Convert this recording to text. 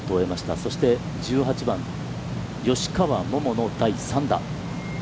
そして、１８番、吉川桃の第３打。